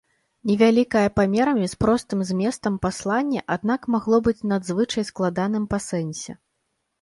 Невялікае памерамі, з простым зместам, пасланне, аднак, магло быць надзвычай складаным па сэнсе.